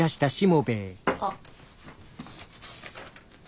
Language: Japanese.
あっ。